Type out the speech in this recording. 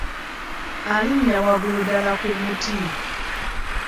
Alinya waggulu ddala ku muti.